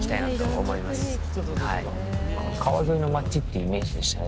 川沿いの街っていうイメージでしたね